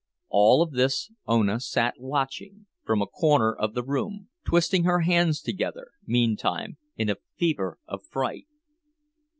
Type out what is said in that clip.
All of this Ona sat watching, from a corner of the room, twisting her hands together, meantime, in a fever of fright.